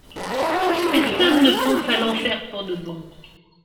Personne ne pense à l'enfer pour de bon.